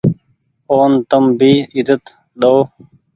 اون تم ڀي ايزت ۮئو۔